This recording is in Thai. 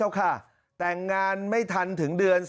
แถลงการแนะนำพระมหาเทวีเจ้าแห่งเมืองทิพย์